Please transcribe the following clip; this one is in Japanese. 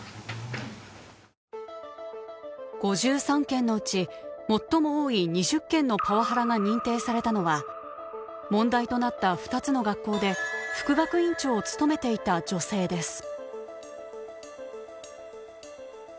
５３件のうち最も多い２０件のパワハラが認定されたのは問題となった２つの学校で副学院長を務めていた女性です。